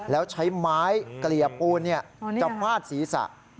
แล้วใช้ไม้เกลี่ยปูนจะฟาดศีรษะ